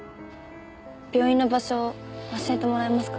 病院の場所教えてもらえますか？